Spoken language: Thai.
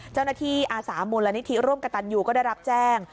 เจ้าหน้าที่อาสามูลและนิติร่วมกับตันยูก็ได้รับแจ้ง